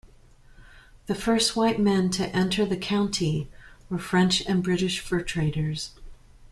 The first white men to enter the county were French and British fur traders.